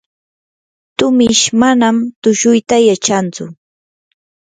tumish manam tushuyta yachantsu.